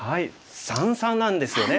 三々なんですよね。